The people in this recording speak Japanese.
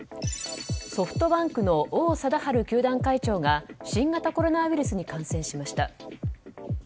ソフトバンクの王貞治球団会長が新型コロナウイルスに感染しました。